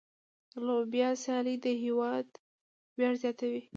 د لوبو سیالۍ د هېواد ویاړ زیاتوي.